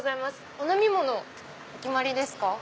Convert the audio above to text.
お飲み物お決まりですか？